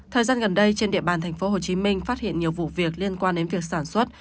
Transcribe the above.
thời gian gần đây trên địa bàn tp hcm phát hiện nhiều vụ việc liên quan đến việc sản xuất